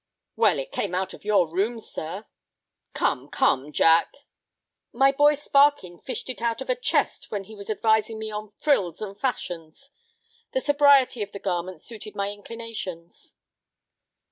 "Well, it came out of your room, sir!" "Come, come, Jack!" "My boy Sparkin fished it out of a chest when he was advising me on frills and fashions. The sobriety of the garment suited my inclinations."